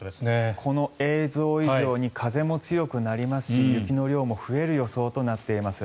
この映像以上に風も強くなりますし雪の量も増える予想となっています。